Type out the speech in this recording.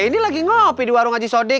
la ini lagi ngopi di warung ajisodik